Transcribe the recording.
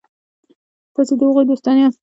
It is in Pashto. تاسي د هغوی دوستان یاست.